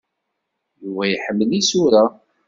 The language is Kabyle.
Yuba iḥemmel isura.